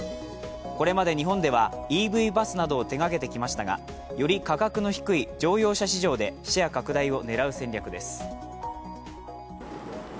これまで日本では、ＥＶバスなどを手がけてきましたが、より価格の低い乗用車市場でシェア拡大を狙う戦略です。